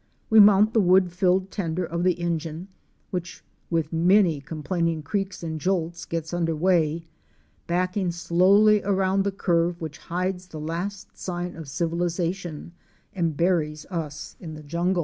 We mount the wood filled tender of the engine, which with many complaining creaks and jolts get under way, backing slowly around the curve which hides the last sign of civilization and buries us in the jungle.